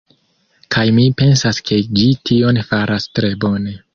Kaj mi pensas ke ĝi tion faras tre bone.